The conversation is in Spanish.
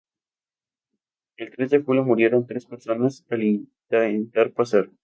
El tres de julio murieron tres personas al intentar pasar.